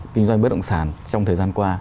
kinh doanh bất động sản trong thời gian qua